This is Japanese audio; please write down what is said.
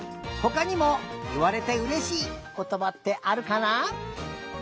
ほかにもいわれてうれしいことばってあるかな？